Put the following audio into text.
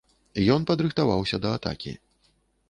Ён падрыхтаваўся да атакі.